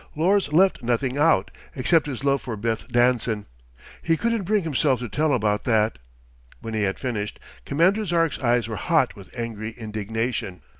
Lors left nothing out, except his love for Beth Danson. He couldn't bring himself to tell about that. When he had finished, Commander Zark's eyes were hot with angry indignation.